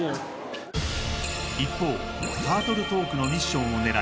一方タートル・トークのミッションを狙い